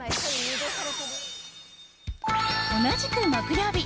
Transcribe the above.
同じく木曜日。